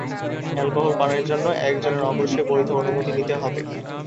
Alcohol পানের জন্য একজনের অবশ্যই বৈধ অনুমতি নিতে হবে।